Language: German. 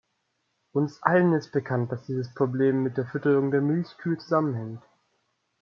Uns allen ist bekannt, dass dieses Problem mit der Fütterung der Milchkühe zusammenhing.